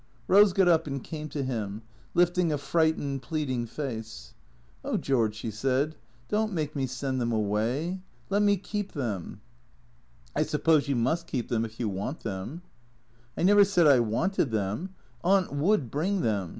Eose got up and came to him, lifting a frightened, pleading face. " Oh, George," she said, " don't make me send them away. Let me keep them." " I suppose you must keep them if you want them." " I never said I wanted them. Aunt would bring them.